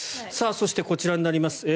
そして、こちらになります。